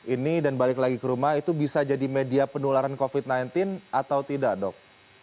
ini dan balik lagi ke rumah itu bisa jadi media penularan covid sembilan belas atau tidak dok